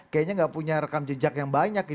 kayaknya nggak punya rekam jejak yang banyak